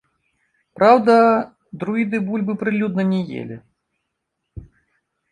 Праўда, друіды бульбы прылюдна не елі.